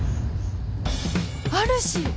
あるし！